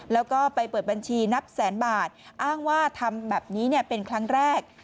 แล้วก็ไปเปิดบัญชีนับแสนบาทอ้างว่าทำแบบนี้เป็นครั้งแรก